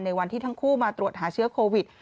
วันที่ทั้งคู่มาตรวจหาเชื้อโควิด